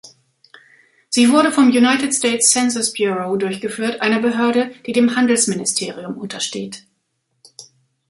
Sie wurde vom United States Census Bureau durchgeführt, einer Behörde, die dem Handelsministerium untersteht.